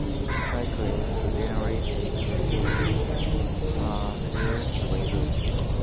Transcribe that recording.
Cyclists generally take the paved Squires Way route.